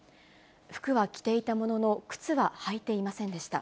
服は着ていたものの、靴は履いていませんでした。